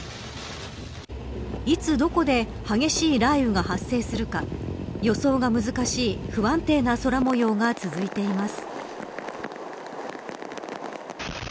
いつどこで激しい雷雨が発生するか予想が難しい不安定な空模様が続いています。